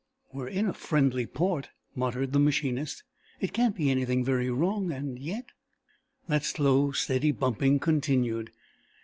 "We're in a friendly port," muttered the machinist. "It can't be anything very wrong, and yet " That slow steady bumping continued.